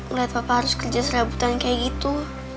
ngelihat papa harus kerja selebutan kayak gitu